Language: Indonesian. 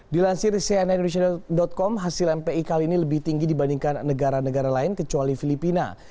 dilansir cnn indonesia com hasil mpi kali ini lebih tinggi dibandingkan negara negara lain kecuali filipina